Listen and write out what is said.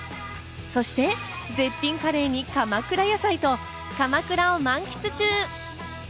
そして絶品カレーに鎌倉野菜と、鎌倉を満喫中。